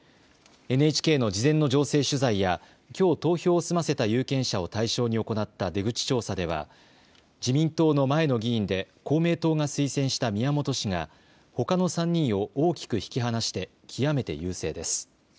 ＮＨＫの事前の情勢取材やきょう投票を済ませた有権者を対象に行った出口調査では自民党の前の議員で公明党が推薦した宮本氏がほかの３人を大きく引き離して極めて優勢です。